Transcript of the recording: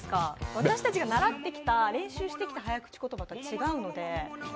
私たちが習ってきた、練習してきた早口言葉と違うので。